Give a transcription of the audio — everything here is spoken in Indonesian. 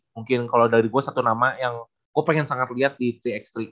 mungkin kalau dari gue satu nama yang gue pengen sangat lihat di tiga x tiga